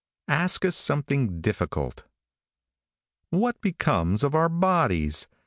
ASK US SOMETHING DIFFICULT. |WHAT becomes of our bodies?"